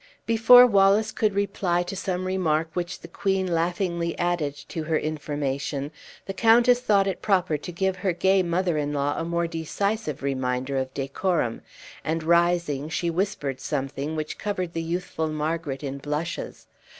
Before Wallace could reply to some remark which the queen laughingly added to her information, the countess thought it proper to give her gay mother in law a more decisive reminder of decorum, and, rising, she whispered something which covered the youthful Margaret in blushes.